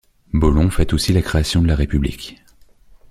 Baulon fête aussi la création de la République.